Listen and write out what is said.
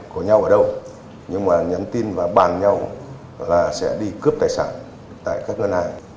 có nhau ở đâu nhưng mà nhắn tin và bàn nhau là sẽ đi cướp tài sản tại các ngân hàng